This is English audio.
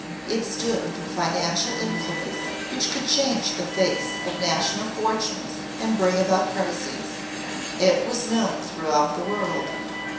It stood for financial influence which could change the face of national fortunes and bring about crises. It was known throughout the world.